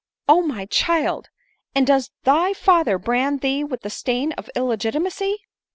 " Oh my child ! and does thy father brand thee with the stab of illegitimacy